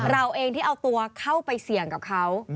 เราเองที่เอาตัวเข้าไปเสี่ยงกับเขา